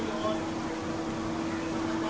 สวัสดีค่ะ